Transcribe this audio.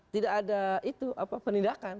tidak ada itu penindakan